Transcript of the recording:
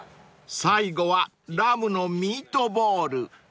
［最後はラムのミートボール］